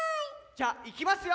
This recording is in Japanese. じゃあ行きますよ！